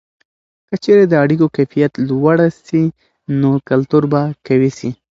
که چیرې د اړیکو کیفیت لوړه سي، نو کلتور به قوي سي.